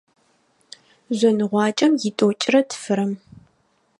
Жъоныгъуакӏэм итӏокӏрэ тфырэм.